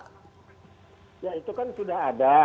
ya itu kan sudah ada